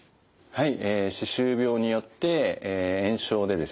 はい。